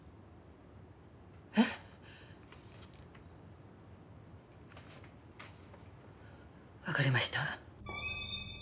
えっ！？わかりました。